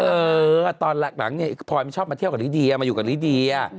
เออตอนหลังเนี่ยพลอยมันชอบมาเที่ยวกับลิเดียมาอยู่กับลิเดีย